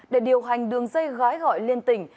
để điều hành đường dây gói gọi liên tỉnh